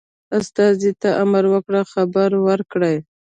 استازي ته امر وکړ خبر ورکړي.